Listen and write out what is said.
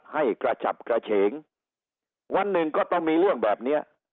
ให้กระฉับกระเฉงวันหนึ่งก็ต้องมีเรื่องแบบเนี้ย